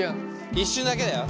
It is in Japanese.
一瞬だけだよ。